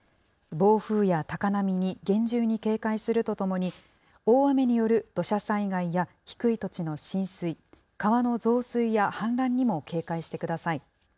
暴風や高波に厳重に警戒するとともに、大雨による土砂災害や低い土地の浸水、川の増水や氾濫にも警戒してください。